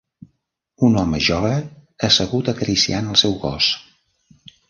un home jove assegut acariciant el seu gos